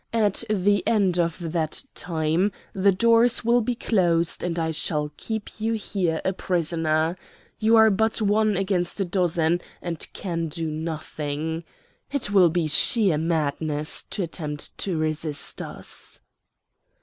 At the end of that time the doors will be closed, and I shall keep you here a prisoner. You are but one against a dozen, and can do nothing. It will be sheer madness to attempt to resist us."